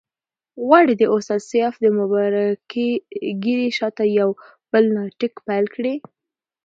غواړي د استاد سیاف د مبارکې ږیرې شاته یو بل ناټک پیل کړي.